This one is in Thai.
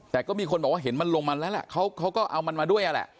แต่ก็มีคนบอกว่าเห็นมันลงมันแล้วแหละเขาก็เอามันมาด้วยนั่นแหละ